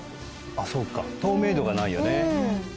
あっそうか透明度がないよね